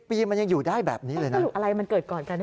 ปีมันยังอยู่ได้แบบนี้เลยนะอยู่อะไรมันเกิดก่อนกัน